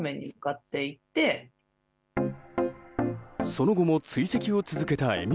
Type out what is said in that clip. その後も追跡を続けたえみ